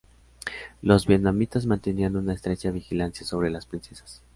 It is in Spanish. Los vietnamitas mantenían una estrecha vigilancia sobre las princesas.